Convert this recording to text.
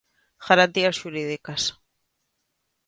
Garantías xurídicas.